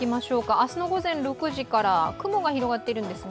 明日の午前６時から、雲が広がっているんですが。